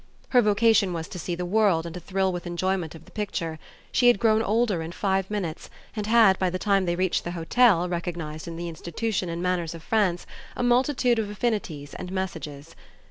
Her vocation was to see the world and to thrill with enjoyment of the picture; she had grown older in five minutes and had by the time they reached the hotel recognised in the institutions and manners of France a multitude of affinities and messages.